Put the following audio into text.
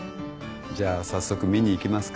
じゃあ早速見に行きますか？